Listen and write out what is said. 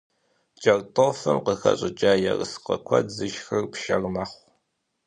КӀэртӀофым къыхэщӀыкӀа ерыскъы куэд зышхыр пшэр мэхъу.